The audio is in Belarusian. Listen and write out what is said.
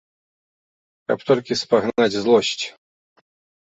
Каб толькі спагнаць злосць.